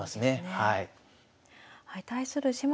はい。